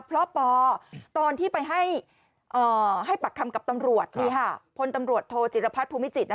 เพราะปอตอนที่ไปให้ปากคำกับตำรวจพลตำรวจโทจิรพัฒน์ภูมิจิต